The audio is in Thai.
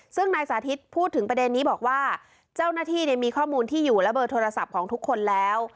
ซึ่งนายสาธิตพูดถึงประเด็นนี้บอกว่าเจ้าหน้าที่มีข้อมูลที่อยู่และเบอร์โทรศัพท์ของทุกคนแล้ว